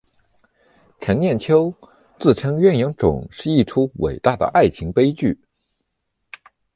程砚秋自称鸳鸯冢是一出伟大的爱情悲剧。